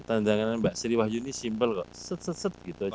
tanda tangan mbak sriwayuni simple